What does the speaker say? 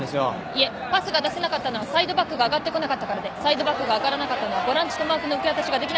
いえパスが出せなかったのはサイドバックが上がってこなかったからでサイドバックが上がらなかったのはボランチとマークの受け渡しができなかったからです。